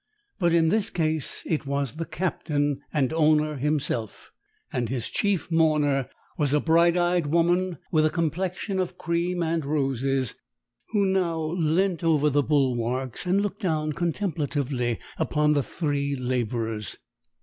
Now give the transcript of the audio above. But in this case it was the captain and owner himself: and his chief mourner was a bright eyed woman with a complexion of cream and roses, who now leant over the bulwarks and looked down contemplatively upon the three labourers.